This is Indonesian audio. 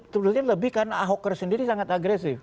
sebetulnya lebih karena ahoker sendiri sangat agresif